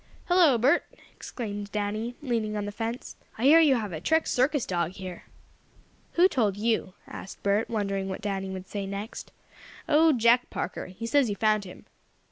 "Hello, Bert!" exclaimed Danny, leaning on the fence. "I hear you have a trick circus dog here." "Who told you?" asked Bert, wondering what Danny would say next. "Oh, Jack Parker. He says you found him."